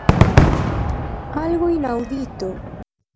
¡Algo inaudito!